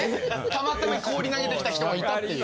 たまたま氷投げてきた人もいたっていう。